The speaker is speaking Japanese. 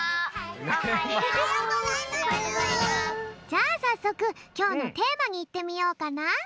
じゃあさっそくきょうのテーマにいってみようかな。